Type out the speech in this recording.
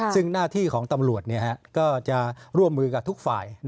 ซึ่งหน้าที่ของตำรวจก็จะร่วมมือกับทุกฝ่าย